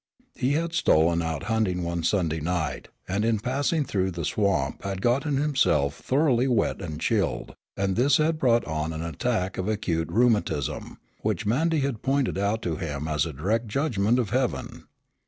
He had stolen out hunting one Sunday night and in passing through the swamp had gotten himself thoroughly wet and chilled, and this had brought on an attack of acute rheumatism, which Mandy had pointed out to him as a direct judgment of heaven.